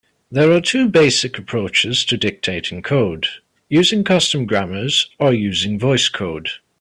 There are two basic approaches to dictating code: using custom grammars or using VoiceCode.